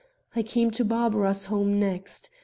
I came to Barbara's home next.